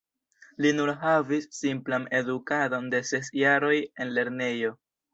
Li nur havis simplan edukadon de ses jaroj en lernejo.